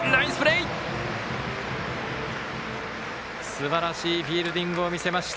すばらしいフィールディングを見せました。